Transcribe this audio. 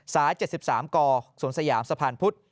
สาย๗๓ก่อสวนสยามสะพานพุธ